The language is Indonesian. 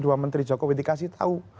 dua menteri jokowi dikasih tahu